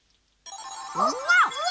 うわ！